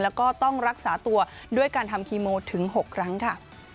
แล้วก็ต้องรักษาตัวด้วยการทำคีโมถึง๖ครั้งค่ะ